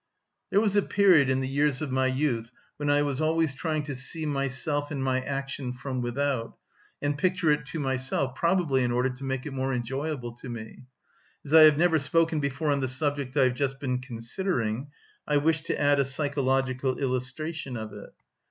There was a period in the years of my youth when I was always trying to see myself and my action from without, and picture it to myself; probably in order to make it more enjoyable to me. As I have never spoken before on the subject I have just been considering, I wish to add a psychological illustration of it.